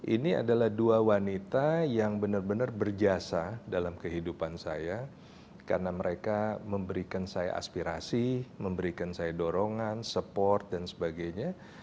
ini adalah dua wanita yang benar benar berjasa dalam kehidupan saya karena mereka memberikan saya aspirasi memberikan saya dorongan support dan sebagainya